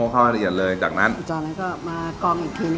เครื่องโม่